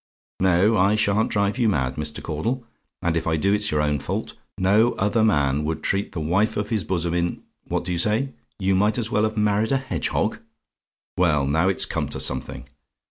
No, I sha'n't drive you mad, Mr. Caudle; and if I do it's your own fault. No other man would treat the wife of his bosom in What do you say? "YOU MIGHT AS WELL HAVE MARRIED A HEDGEHOG? "Well, now it's come to something!